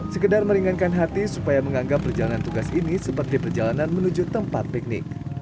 sekedar meringankan hati supaya menganggap perjalanan tugas ini seperti perjalanan menuju tempat piknik